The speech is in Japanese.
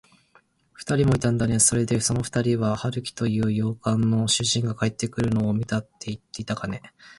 ふたりもいたんだね。それで、そのふたりは、春木という洋館の主人が帰ってくるのを見たといっていたかね。